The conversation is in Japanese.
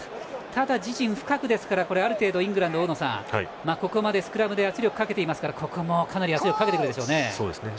ただ、自陣深くですからイングランドは大野さん、ここまでスクラムで圧力をかけているのでここもかなり圧力をかけてくるでしょうね。